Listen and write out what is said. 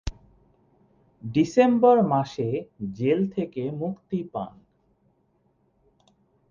December মাসে জেল থেকে মুক্তি পান।